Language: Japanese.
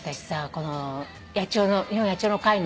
この日本野鳥の会のね。